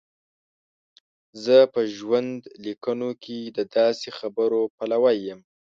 زه په ژوندلیکونو کې د داسې خبرو پلوی یم.